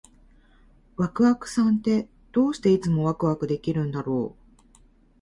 ワクワクさんって、どうしていつもワクワクできるんだろう？